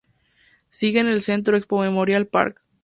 Sigue en el centro "Expo Memorial Park".